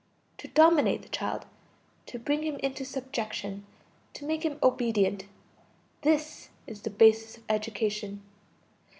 To dominate the child, to bring him into subjection, to make him obedient this is the basis of education.